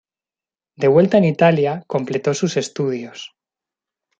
De vuelta en Italia completó sus estudios.